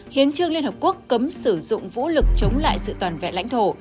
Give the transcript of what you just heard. hiến trương liên hợp quốc cấm sử dụng vũ lực chống lại sự toàn vẹn lãnh thổ